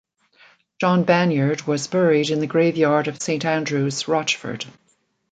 John Banyard was buried in the graveyard of Saint Andrew's, Rochford.